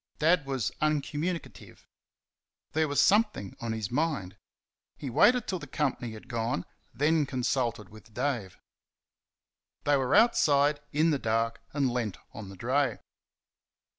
Dad was uncommunicative. There was something on his mind. He waited till the company had gone, then consulted with Dave. They were outside, in the dark, and leant on the dray.